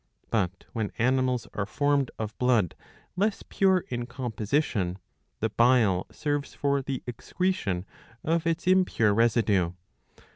But, when animals are formed of blood less pure in composition, the bile serves for the excretion of its impure residue.